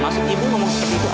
maksud ibu ngomong seperti itu